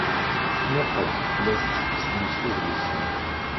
Muqel, la tettett tmes adlis-nni.